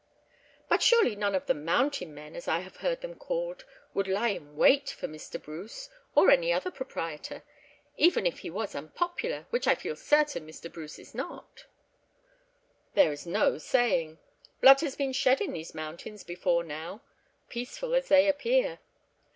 "But surely none of the 'mountain men,' as I have heard them called, would lie in wait for Mr. Bruce, or any other proprietor, even if he was unpopular, which I feel certain Mr. Bruce is not?" "There is no saying. Blood has been shed in these mountains before now, peaceful as they appear.